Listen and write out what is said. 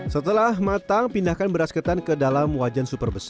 setelah matang pindahkan beras ketan ke dalam wajan super besar